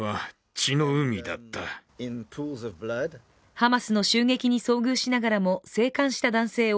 ハマスの襲撃に遭遇しながらも生還した男性を